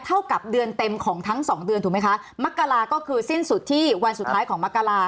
กับเดือนเต็มของทั้งสองเดือนถูกไหมคะมักกราก็คือสิ้นสุดที่วันสุดท้ายของมกรา